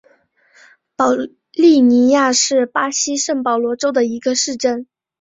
保利尼亚是巴西圣保罗州的一个市镇。